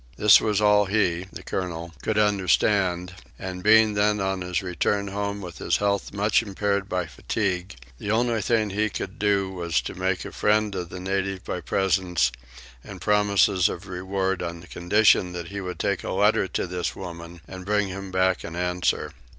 This was all he (the colonel) could understand and, being then on his return home with his health much impaired by fatigue, the only thing that he could do was to make a friend of the native by presents and promises of reward on condition that he would take a letter to this woman and bring him back an answer.